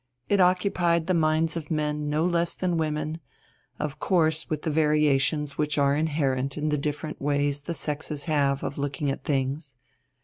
It occupied the minds of men no less than women, of course with the variations which are inherent in the different ways the sexes have of looking at things.